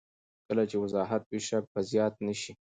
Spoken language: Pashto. کله چې وضاحت وي، شک به زیات نه شي.